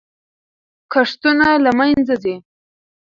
کښتونه له منځه ځي.